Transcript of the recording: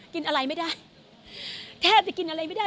กินอะไรไม่ได้แทบจะกินอะไรไม่ได้